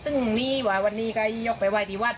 ซึ่งอันนี้ว่าวันนี้ก็หยุดไปตรงที่วัด